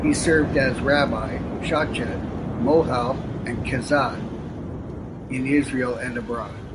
He has served as a Rabbi, Shochet, Mohel and Chazzan in Israel and abroad.